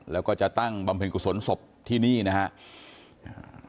แล้วก็จะตั้งบำเพ็ญกุศลศพที่นี่นะครับ